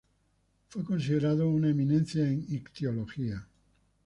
Fue considerado una eminencia en ictiología.